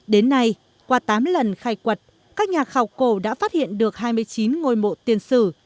đến nay qua tám lần khai quật các nhà khảo cổ đã phát hiện được hai mươi chín ngôi mộ tiền sử